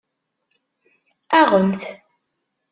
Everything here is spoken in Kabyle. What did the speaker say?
Aɣemt!